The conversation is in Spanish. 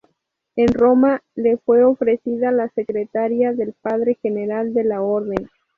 En Roma le fue ofrecida la secretaría del padre general de la orden.